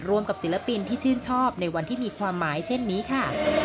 กับศิลปินที่ชื่นชอบในวันที่มีความหมายเช่นนี้ค่ะ